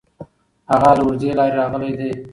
هغه له اوږدې لارې راغلی دی.